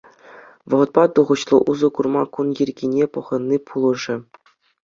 Вӑхӑтпа тухӑҫлӑ усӑ курма кун йӗркине пӑхӑнни пулӑшӗ.